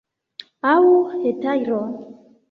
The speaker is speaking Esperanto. Aŭ hetajro!